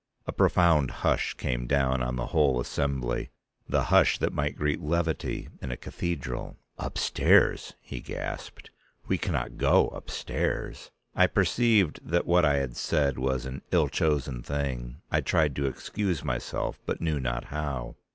A profound hush came down on the whole assembly, the hush that might greet levity in a cathedral. "Upstairs!" he gasped. "We cannot go upstairs." I perceived that what I had said was an ill chosen thing. I tried to excuse myself but knew not how.